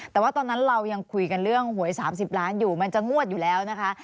แต่ว่าตอนนั้นเรายังคุยกันเรื่องหวย๓๐ล้านอยู่มันจะงวดอยู่แล้วนะคะ